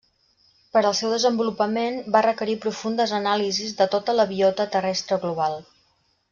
Per al seu desenvolupament va requerir profundes anàlisis de tota la biota terrestre global.